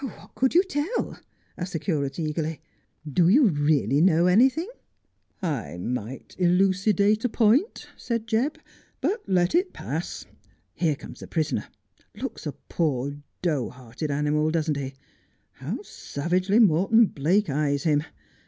' What could you tell 1 ' asked the curate eagerly. ' Do you really know anything 1 '' I might elucidate a point,' said Jebb. ' But let it pass. Here comes the prisoner ; looks a poor dough hearted animal, doesn't he 1 How savagely Morton Blake eyes him.